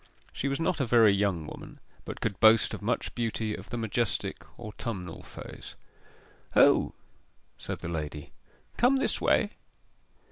She was not a very young woman, but could boast of much beauty of the majestic autumnal phase. 'O,' said the lady, 'come this way.